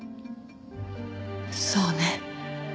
そうね。